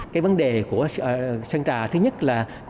cái vấn đề của sơn trà thứ nhất là chưa có kế hoạch bảo vệ một cách cụ thể